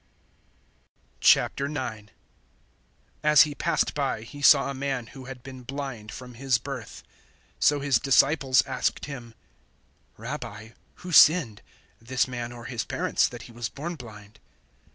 009:001 As He passed by, He saw a man who had been blind from his birth. 009:002 So His disciples asked Him, "Rabbi, who sinned this man or his parents that he was born blind?"